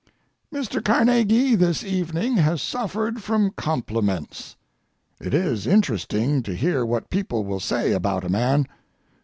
Mr. Carnegie, this evening, has suffered from compliments. It is interesting to hear what people will say about a man.